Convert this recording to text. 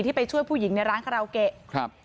ที่ไปช่วยผู้หญิงในร้านคาราวเกะ